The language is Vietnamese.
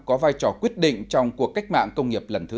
có vai trò quyết định trong cuộc cách mạng công nghiệp lần thứ bốn